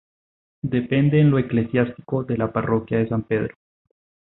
Depende en lo eclesiástico de la parroquia de San Pedro.